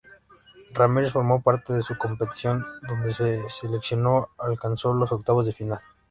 Ramírez formó parte de esta competición, donde su selección alcanzó los octavos de final.